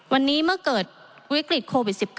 วันนี้เมื่อเกิดวิกฤตโควิด๑๙